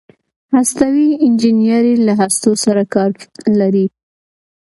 هستوي انجنیری له هستو سره کار لري.